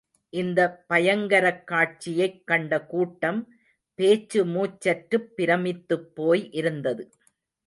இந்த பயங்கரக்காட்சியைக் கண்ட கூட்டம் பேச்சு மூச்சற்றுப் பிரமித்துப்போய் இருந்தது.